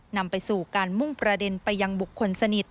นำไปสู่การมุ่งประเด็นไปยังบุคคลสนิท